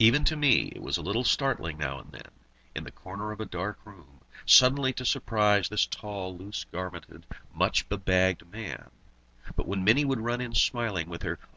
Even to me it was a little startling now and then, in the corner of a dark room, suddenly to surprise this tall, loose garmented, much bebagged man; but when Mini would run in smiling, with her, "O!